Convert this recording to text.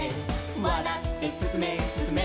「わらってすすめすすめ」「」